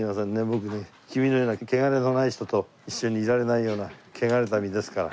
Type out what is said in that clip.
僕ね君のような汚れのない人と一緒にいられないような汚れた身ですから。